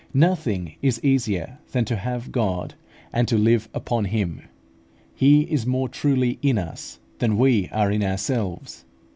Nothing is easier than to have God and to live upon Him. He is more truly in us than we are in ourselves.